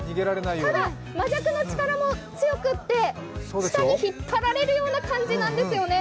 ただ、マジャクの力も強くて下に引っ張られるような感じなんですよね。